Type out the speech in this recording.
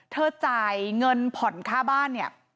จ่ายเงินผ่อนค่าบ้านเนี่ย